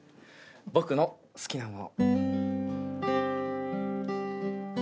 「僕の好きなもの」